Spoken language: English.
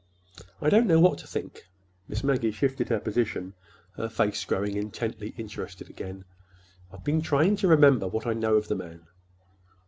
"I don't know what to think." Miss Maggie shifted her position, her face growing intently interested again. "I've been trying to remember what I know of the man."